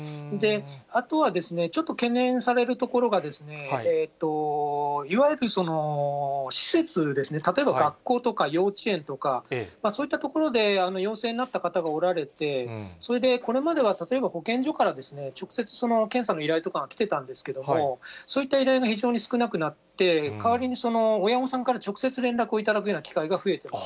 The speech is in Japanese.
あとは、ちょっと懸念されるところが、いわゆる施設ですね、例えば学校とか幼稚園とか、そういった所で陽性になった方がおられて、それでこれまでは例えば保健所から直接その検査の依頼とか来てたんですけれども、そういった依頼が非常に少なくなって、代わりに親御さんから直接連絡を頂くような機会が増えてます。